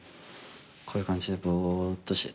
こういう感じでぼーっとして。